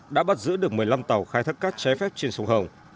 đã bắt giữ được một mươi năm tàu khai thác cát trái phép trên sông hồng